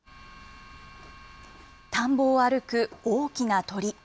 田んぼを歩く大きな鳥。